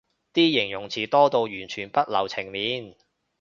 啲形容詞多到完全不留情面